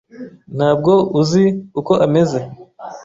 Ntabwo uzi uko ameze.